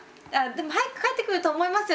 「早く帰ってくると思いますよ